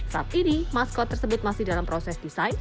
saat ini maskot tersebut masih dalam proses desain